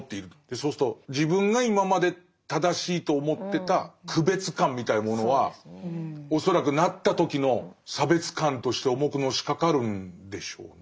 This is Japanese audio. そうすると自分が今まで正しいと思ってた区別感みたいなものは恐らくなった時の差別感として重くのしかかるんでしょうね。